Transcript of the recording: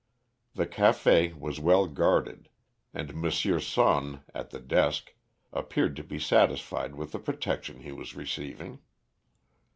The café was well guarded, and M. Sonne, at the desk, appeared to be satisfied with the protection he was receiving.